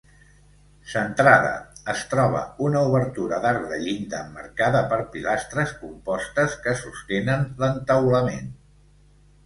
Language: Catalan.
Centrada, es troba una obertura d'arc de llinda emmarcada per pilastres compostes que sostenen l'entaulament.